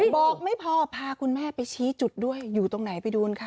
บอกไม่พอพาคุณแม่ไปชี้จุดด้วยอยู่ตรงไหนไปดูกันค่ะ